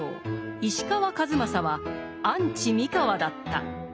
石川数正はアンチ三河だった。